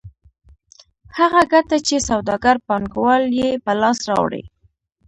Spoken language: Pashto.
هغه ګټه چې سوداګر پانګوال یې په لاس راوړي